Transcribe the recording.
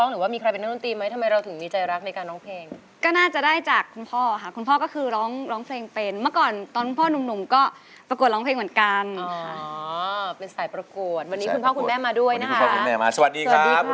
หนูก็จะใช้ความสามารถในการร้องเพลงของหนูมาคว้างรางวัลไปให้ได้เยอะที่สุดค่ะพ่อแล้วเดี๋ยวเราไปผ่าตัดกันมากเลยไปสู้